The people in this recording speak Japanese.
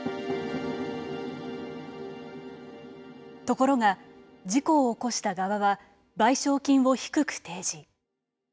ところが、事故を起こした側は賠償金を低く提示。